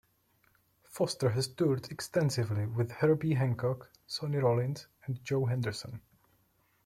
Foster has toured extensively with Herbie Hancock, Sonny Rollins, and Joe Henderson.